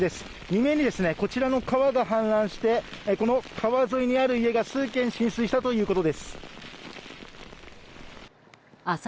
未明にこちらの川が氾濫してこの川沿いにある家が数軒浸水したということです。